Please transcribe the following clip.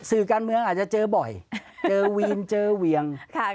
สื่อการเมืองอาจจะเจอบ่อยเจอวีนเจอเวียง